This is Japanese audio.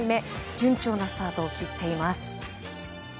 順調なスタートを切っています。